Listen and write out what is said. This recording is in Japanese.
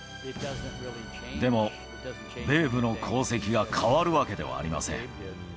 でもベーブの功績が変わるわけではありません。